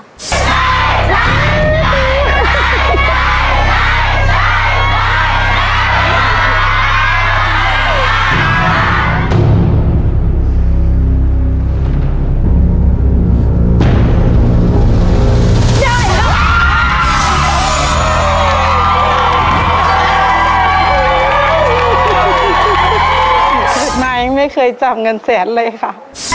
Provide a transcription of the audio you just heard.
นายยังไม่เคยจำเงินแสนเลยค่ะ